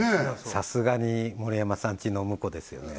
さすがに森山さんちのムコですよね